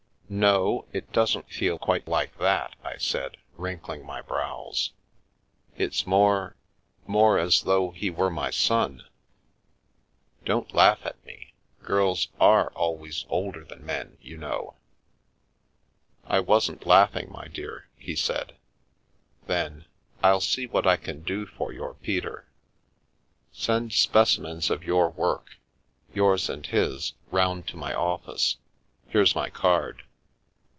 " No, it doesn't feel quite like that," I said, wrinkling my brows, " it's more — more as though he were my son. The Milky Way Don't laugh at me — girls are always older than men, you know." " I wasn't laughing, my dear/' he said. Then, " 111 see what I can do for your Peter. Send specimens of your work — yours and his — round to my office. Here's my card.